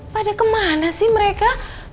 pada kemana sih mereka